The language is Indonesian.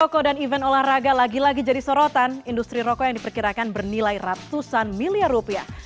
toko dan event olahraga lagi lagi jadi sorotan industri rokok yang diperkirakan bernilai ratusan miliar rupiah